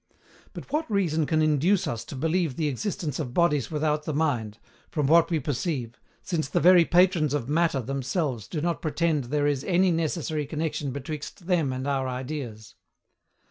But what reason can induce us to believe the existence of bodies without the mind, from what we perceive, since the very patrons of Matter themselves do not pretend there is ANY NECESSARY CONNEXION BETWIXT THEM AND OUR IDEAS?